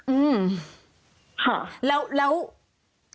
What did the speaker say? อืม